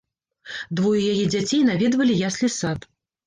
Двое яе дзяцей наведвалі яслі-сад.